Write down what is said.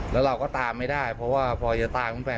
แล้วเราก็ตามไม่ได้เพราะว่าพอจะตามคุณแฟน